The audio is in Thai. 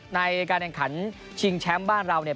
ในการแข่งขันชิงแชมป์บ้านเราเนี่ย